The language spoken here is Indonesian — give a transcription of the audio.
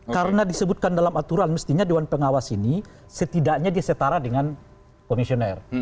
karena disebutkan dalam aturan mestinya dewan pengawas ini setidaknya dia setara dengan komisioner